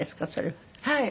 はい。